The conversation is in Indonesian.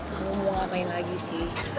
kamu mau ngapain lagi sih